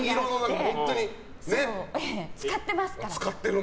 でも、使ってますから。